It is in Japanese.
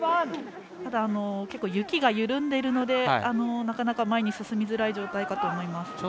ただ、雪が緩んでいるのでなかなか前に進みづらい状態かと思います。